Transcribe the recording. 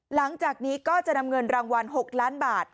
หลังจากนี้ก็จะนำเงินรางวัล๖ล้านบาท